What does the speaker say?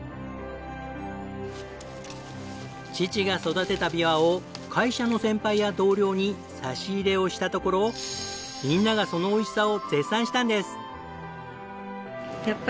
父が育てたビワを会社の先輩や同僚に差し入れをしたところみんながそのおいしさを絶賛したんです。